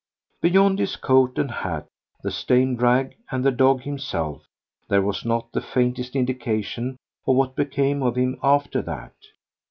Beyond his coat and hat, the stained rag and the dog himself, there was not the faintest indication of what became of him after that.